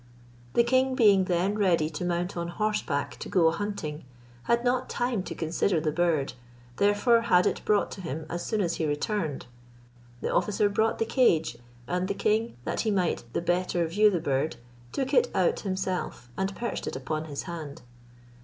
The king being then ready to mount on horseback to go a hunting, had not time to consider the bird, therefore had it brought to him as soon as he returned. The officer brought the cage, and the king, that he might the better view the bird, took it out himself; and perched it upon his hand.